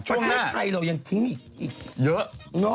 ประเทศไทยเรายังทิ้งอีกเยอะ